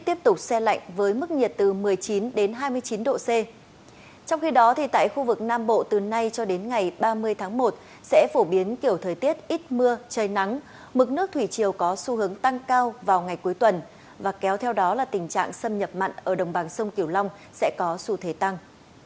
trong khi đó tại khu vực nam bộ từ nay cho đến ngày ba mươi tháng một sẽ phổ biến kiểu thời tiết ít mưa trời nắng mực nước thủy chiều có xu hướng tăng cao vào ngày cuối tuần và kéo theo đó là tình trạng xâm nhập mặn ở đồng bằng sông kiểu long sẽ có xu thế tăng